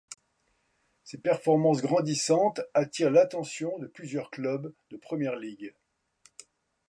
Ses performances grandissantes attirent l'attention de plusieurs clubs de Premier League.